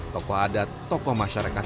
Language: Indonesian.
tokoh adat tokoh masyarakat